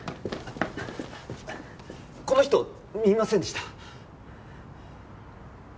この人見ませんでした？